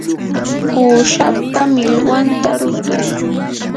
uushapa millwanta rutuy.